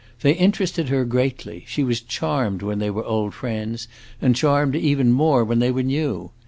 They interested her greatly; she was charmed when they were old friends, and charmed even more when they were new.